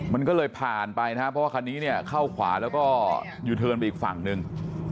มันก็เลยผ่านไปนะเพราะว่าคันนี้เข้าขวาแล้วก็ยืนเทินไปอีกฝั่งหนึ่ง